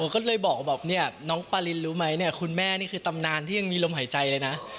ก็เลยบอกว่าเนี่ยน้องปารินรู้ไหมเนี่ยคุณแม่นี่คือตำนานที่ยังมีลมหายใจเลยนะ